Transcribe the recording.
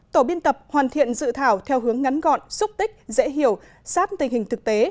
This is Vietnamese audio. tổ biên tập hoàn thiện dự thảo theo hướng ngắn gọn xúc tích dễ hiểu sát tình hình thực tế